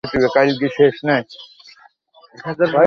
গোরা কহিল, বলেন কী বাবা?